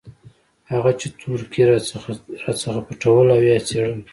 هغه چې تورکي راڅخه پټول او يا يې څيرل.